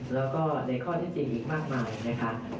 แล้วก็ในข้อที่จริงอีกมากมายนะคะ